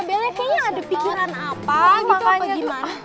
belenya kayaknya ada pikiran apa gitu apa gimana